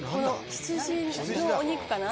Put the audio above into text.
羊のお肉かな？